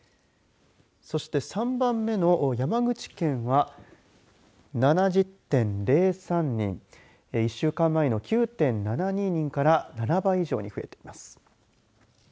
そして３番目の山口県は７０．０３人１週間前の９．７２人から７倍以上に増えています。